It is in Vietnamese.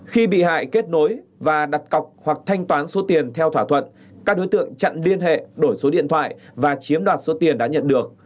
khi bị hại kết nối và đặt cọc hoặc thanh toán số tiền theo thỏa thuận các đối tượng chặn liên hệ đổi số điện thoại và chiếm đoạt số tiền đã nhận được